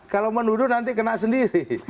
kalau menuduh nanti kena sendiri